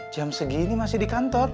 jam segini masih di kantor